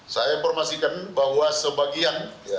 saya informasikan bahwa sebagian